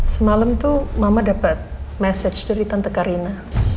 semalam tuh mamah dapet mesej dari tante karina